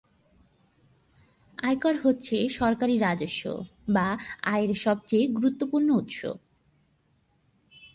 আয়কর হচ্ছে সরকারি রাজস্ব বা আয়ের সবচেয়ে গুরুত্বপূর্ণ উৎস।